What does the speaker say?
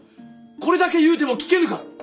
これだけ言うても聞けぬか。